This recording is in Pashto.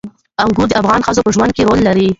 انګور د افغان ښځو په ژوند کې رول لري.